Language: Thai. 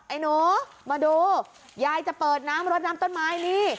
ไอ้หนูมาดูยายจะเปิดน้ำรถน้ำต้นไม้นี่